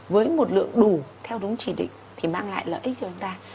với một lượng đủ theo đúng chỉ định thì mang lại lợi ích cho chúng ta